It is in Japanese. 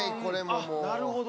あっなるほど。